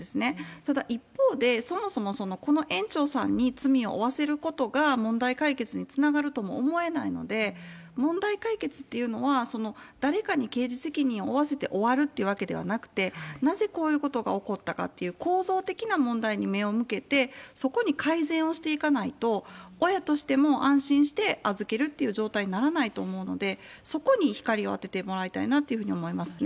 ただ、一方で、そもそもこの園長さんに罪を負わせることが問題解決につながるとも思えないので、問題解決っていうのは、誰かに刑事責任を負わせて終わるってわけではなくて、なぜこういうことが起こったかという構造的な問題に目を向けて、そこに改善をしていかないと、親としても安心して預けるっていう状態にならないと思うので、そこに光を当ててもらいたいなっていうふうに思いますね。